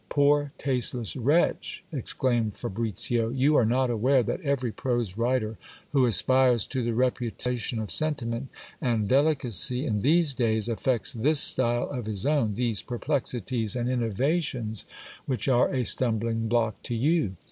Poor tasteless wretch ! exclaimed Fabricio. You are not aware that every prose writer who aspires to the reputation of sentiment and delicacy in these days, affects this style of his own, these perplexities and innovations which are a stumbling block to you.